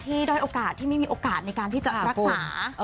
ด้อยโอกาสที่ไม่มีโอกาสในการที่จะรักษา